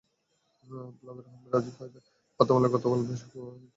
Blogger Ahmed Rajib Haidar হত্যা মামলায় গতকাল বৃহস্পতিবার আরও একজন সাক্ষ্য দিয়েছেন।